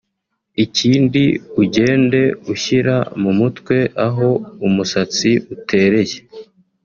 ikindi ugende ushyira mu mutwe aho umusatsi utereye